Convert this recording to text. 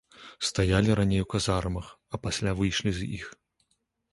Стаялі раней у казармах, а пасля выйшлі з іх.